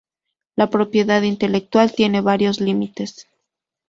la propiedad intelectual tiene varios límites